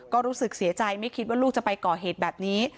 ก็รู้สึกเสียใจไม่คิดว่าลูกจะไปก่อเหตุแบบนี้